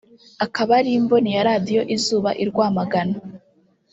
akaba ari imboni ya Radio Izuba i Rwamagana